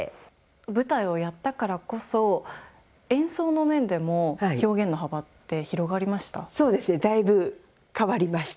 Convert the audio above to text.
舞台をやったからこそ演奏の面でも表現の幅って広がりました？